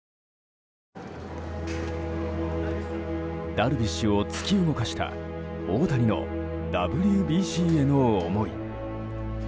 ダルビッシュを突き動かした大谷のＷＢＣへの思い。